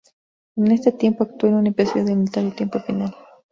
En ese tiempo actúo en un episodio del unitario Tiempo final.